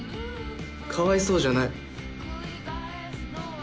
かわいそうじゃない。